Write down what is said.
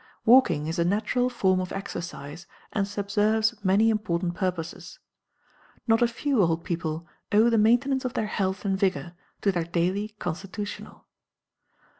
Walking is a natural form of exercise and subserves many important purposes: not a few old people owe the maintenance of their health and vigour to their daily "constitutional."